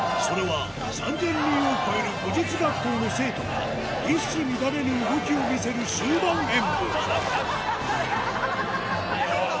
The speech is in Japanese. それは３０００人を超える武術学校の生徒が一糸乱れぬ動きを見せる集団演武